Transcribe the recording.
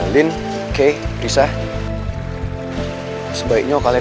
biar si satu bisa diobatin